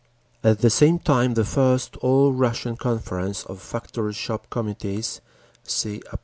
At the same time the first All Russian Conference of Factory Shop Committees (See App.